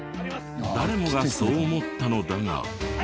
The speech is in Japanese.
誰もがそう思ったのだが。